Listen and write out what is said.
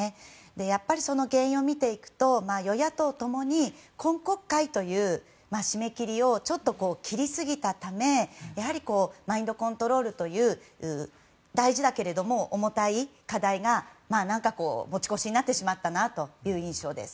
やっぱりその原因を見ていくと与野党共に今国会という締め切りをちょっと切りすぎたためやはりマインドコントロールという大事だけれども重たい課題が持ち越しになってしまったなという印象です。